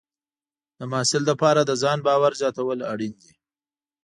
د محصل لپاره د ځان باور زیاتول اړین دي.